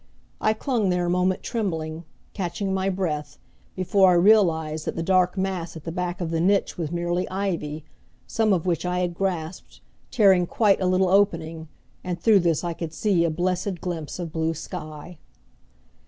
I clung there a moment trembling, catching my breath, before I realized that the dark mass at the back of the niche was merely ivy, some of which I had grasped, tearing quite a little opening, and through this I could see a blessed glimpse of blue sky.